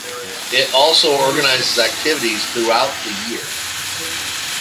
It also organizes activities throughout the year.